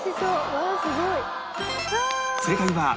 うわあすごい。